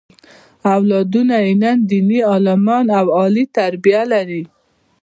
اولادونه یې نن دیني عالمان او عالي تربیه لري.